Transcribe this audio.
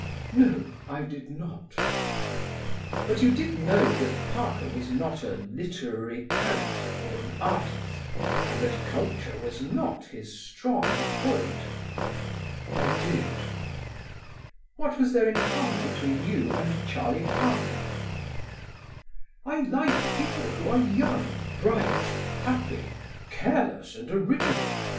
"No; I did not." "But you did know that Parker was not a literary character or an artist, and that culture was not his strong point?" "I did." "What was there in common between you and Charlie Parker?" "I like people who are young, bright, happy, careless and original.